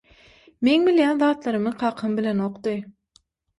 Meň bilýän zatlarymy kakam bilenokdy.